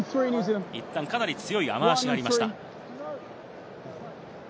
いったん、かなり強い雨足がありました。